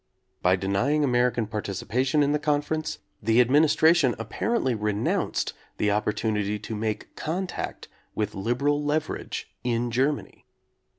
By deny ing American participation in the conference, the Administration apparently renounced the oppor tunity to make contact with liberal leverage in Germany.